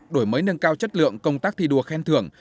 đổi mới nâng cao chất lượng công tác thi đua khen thưởng